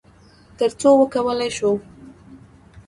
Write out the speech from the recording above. تر څو وکولی شو،